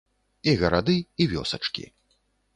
І гарады, і вёсачкі.